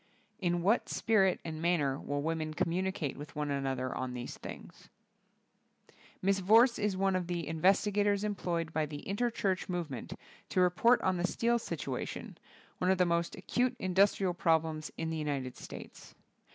In what spirit and manner will women communicate with one another on these things? Mrs. Vorse is one of the investi gators employed by the Interchurch movement to report on the steel situa tion, one of the most acute industrial problems in the United States.